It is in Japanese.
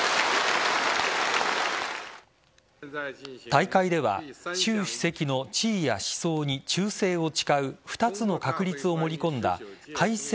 大会では習主席の地位や思想に忠誠を誓う２つの確立を盛り込んだ改正